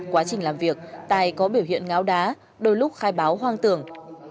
quá trình làm việc tài có biểu hiện ngáo đá đôi lúc khai báo hoang tưởng